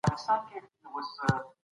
دا جامي په لاس ګنډل سوې دي.